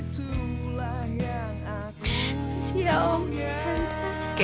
terima kasih ya om tante